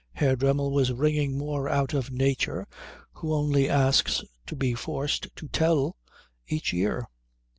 Herr Dremmel was wringing more out of Nature, who only asks to be forced to tell, each year.